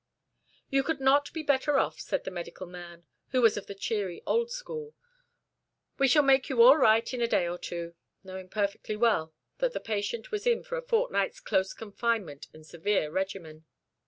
"You could not be better off," said the medical man, who was of the cheery old school. "We shall make you all right in a day or two," knowing perfectly well that the patient was in for a fortnight's close confinement and severe regimen.